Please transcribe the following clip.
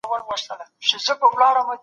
د کوچني دپاره مي په کڅوڼي کي بسکېټ ایښي دي.